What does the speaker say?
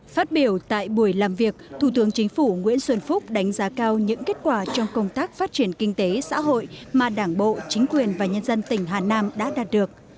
phát biểu tại buổi làm việc thủ tướng chính phủ nguyễn xuân phúc đánh giá cao những kết quả trong công tác phát triển kinh tế xã hội mà đảng bộ chính quyền và nhân dân tỉnh hà nam đã đạt được